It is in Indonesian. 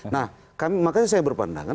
nah makanya saya berpandangan